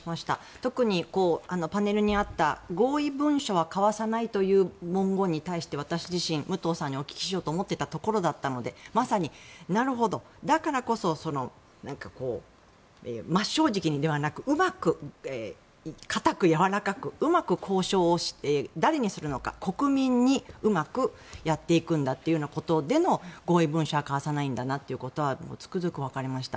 特にパネルにあった合意文書は交わさないという文言に対して私自身、武藤さんにお聞きしようと思っていたところだったのでまさになるほど、だからこそ真っ正直にではなくうまく硬く、やわらかくうまく交渉を誰にするのか国民にうまくやっていくんだということでの合意文書は交わさないんだなということがつくづくわかりました。